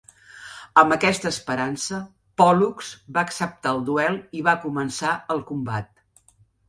Amb aquesta esperança, Pòl·lux va acceptar el duel i va començar el combat.